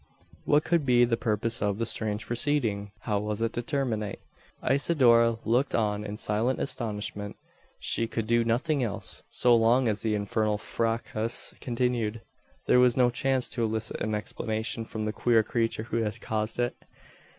What could be the purpose of the strange proceeding? How was it to terminate? Isidora looked on in silent astonishment. She could do nothing else. So long as the infernal fracas continued, there was no chance to elicit an explanation from the queer creature who had caused it.